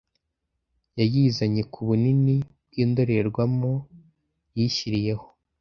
Yayizanye ku bunini bw'indorerwamo, yishyiriyeho